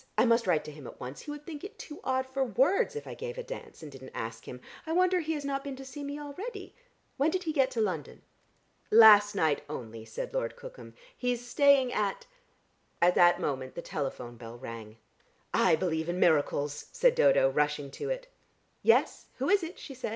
I must write to him at once. He would think it too odd for words if I gave a dance and didn't ask him. I wonder he has not been to see me already. When did he get to London?" "Last night only," said Lord Cookham. "He's staying at " At that moment the telephone bell rang. "I believe in miracles," said Dodo rushing to it. "Yes, who is it?" she said.